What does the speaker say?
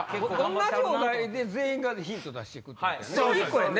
同じお題で全員がヒント出して行くってことやね。